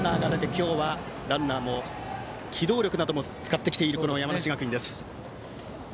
今日はランナーの機動力なども使ってきている山梨学院です。